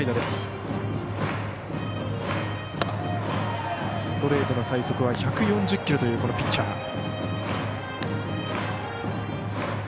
ストレートの最速は１４０キロというピッチャー。